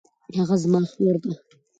هغه زما خور ده